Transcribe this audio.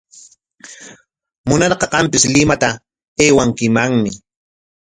Munarqa qampis Limata aywankimanmi.